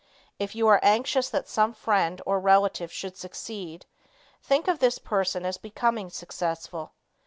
If you are anxious that some friend or relative should succeed, think of this person as becoming successful.